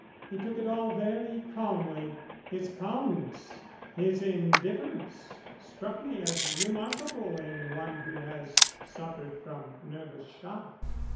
He took it all very calmly. His calmness, his indifference, struck me as remarkable in one who has suffered from nervous shock."